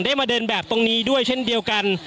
มาเดินแบบตรงนี้ด้วยเช่นเดียวกัน